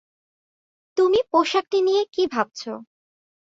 তুমি পোশাকটি নিয়ে কি ভাবছ?